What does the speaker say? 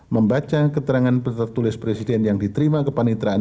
membaca keterangan tertulis presiden yang diterima kepanitraan